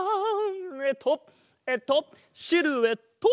えっとえっとシルエット！